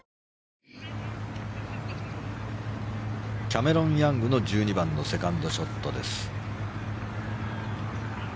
キャメロン・ヤングの１２番のセカンドショットです。